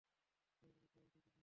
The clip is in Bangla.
আমার অনেক কাজ আছে, সোনা।